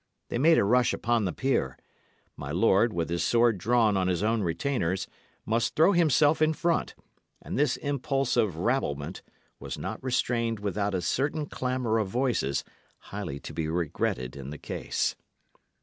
They made a rush upon the pier; my lord, with his sword drawn on his own retainers, must throw himself in front; and this impulse of rabblement was not restrained without a certain clamour of voices, highly to be regretted in the case.